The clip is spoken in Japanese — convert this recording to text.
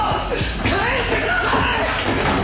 帰ってください！